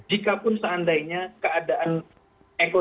jikapun seandainya keadaan ini berubah